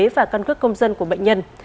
và căn cức công dân của bệnh nhân